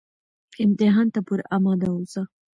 امتحان ته پوره اماده اوسه